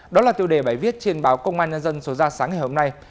đó là tiêu đề bài viết trên báo công an nhân dân số ra sáng ngày hôm nay